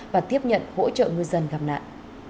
và tiếp nhận hỗ trợ ngư dân gặp nạn